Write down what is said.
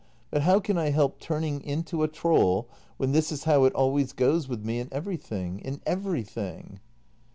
] But how can I help turning into a troll, when this is how it always goes with me in everything — in everything